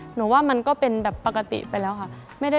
หนูว่ามันก็เป็นแบบปกติไปแล้วค่ะ